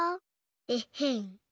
えっへん。